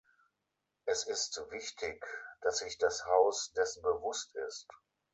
Es ist wichtig, dass sich das Haus dessen bewusst ist.